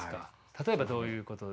例えばどういうこと？